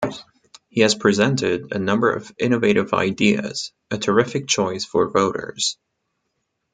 He has presented a number of innovative ideas... a terrific choice for voters.